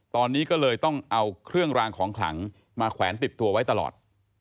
ตอนนี้ก็เลยต้องเอาเครื่องรางของขลังมาแขวนติดตัวไว้ตลอด